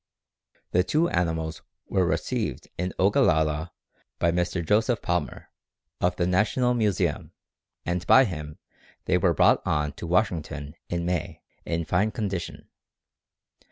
The two animals were received in Ogalalla by Mr. Joseph Palmer, of the National Museum, and by him they were brought on to Washington in May, in fine condition.